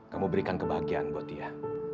kamu berikan kebahagiaan buat dia